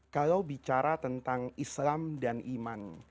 kalau bicara tentang islam dan iman